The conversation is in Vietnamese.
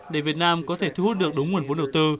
để việt nam có thể thu hút được đúng nguồn vốn đầu tư